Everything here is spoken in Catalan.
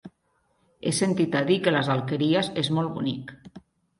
He sentit a dir que les Alqueries és molt bonic.